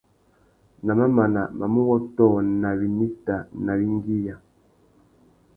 Na mamana, mamú wôtō nà winita nà « wingüiya ».